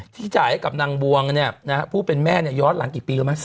จ่ายให้กับนางบวงผู้เป็นแม่เนี่ยย้อนหลังกี่ปีรู้ไหม